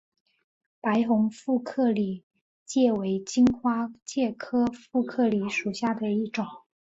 白虹副克里介为荆花介科副克里介属下的一个种。